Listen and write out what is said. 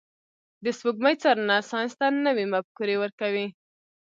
د سپوږمۍ څارنه ساینس ته نوي مفکورې ورکوي.